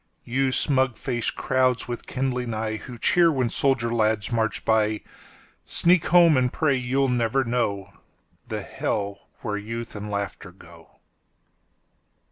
….You smug faced crowds with kindling eyeWho cheer when soldier lads march by, Sneak home and pray you'll never knowThe hell where youth and laughter go.